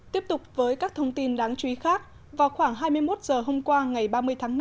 tiếp tục với các thông tin đáng chú ý khác vào khoảng hai mươi một h hôm qua ngày ba mươi tháng năm